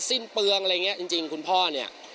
สิ้นเปลืองอะไรอย่างนี้จริงคุณพ่อเนี่ย